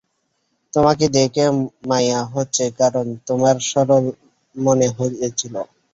তোমাকে দেখে মাঁয়া হচ্ছে কারণ তোমায় সরল মনে হয়েছিল।